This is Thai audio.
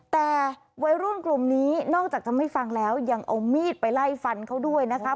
แต่วัยรุ่นกลุ่มนี้นอกจากจะไม่ฟังแล้วยังเอามีดไปไล่ฟันเขาด้วยนะคะ